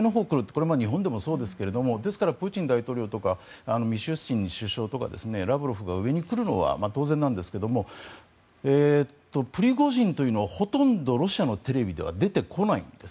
これは日本でもそうですがですから、プーチン大統領とかミシュスチン首相とかラブロフが上に来るのは当然なんですがプリゴジンというのはほとんどロシアのテレビでは出てこないんです。